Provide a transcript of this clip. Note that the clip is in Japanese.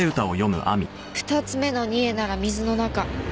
「二つ目の贄なら水の中」